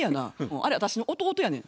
あれ私の弟やねん。